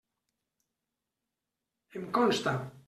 Em consta.